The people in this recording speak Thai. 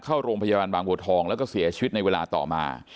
เข้าโรงพยาบาลบางบัวทองแล้วก็เสียชีวิตในเวลาต่อมา